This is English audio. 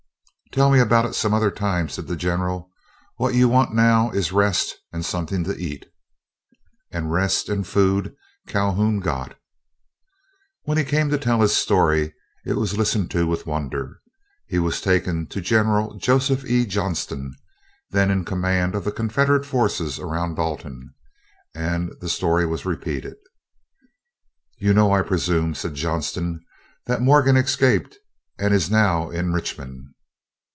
"Tell me about it some other time," said the General. "What you want now is rest and something to eat." And rest and food Calhoun got. When he came to tell his story it was listened to with wonder. He was taken to General Joseph E. Johnston, then in command of the Confederate forces around Dalton, and the story was repeated. "You know, I presume," said Johnston, "that Morgan escaped, and is now in Richmond."